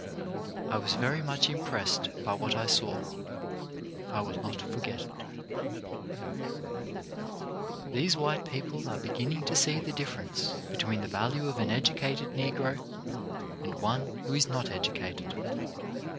I was very much impressed by what I saw. I will not forget it." 23 8 CHARACTER BUILDING These white people are beginning to see the difference between the value of an educated Negro and one who is not educated.